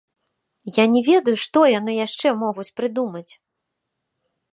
Я не ведаю, што яны яшчэ могуць прыдумаць!